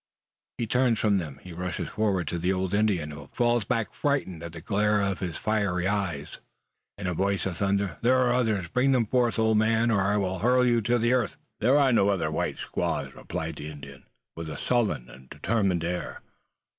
He turns from them. He rushes forward to the old Indian, who falls back frightened at the glare of his fiery eye. "These are not all!" cries he, in a voice of thunder; "there are others. Bring them forth, old man, or I will hurl you to the earth!" "There are no other white squaws," replied the Indian, with a sullen and determined air.